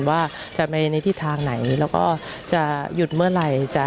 ว่าจะไปในทิศทางไหนแล้วก็จะหยุดเมื่อไหร่